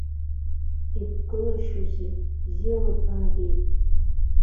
Ибгылашьоузеи, бзиала баабеит.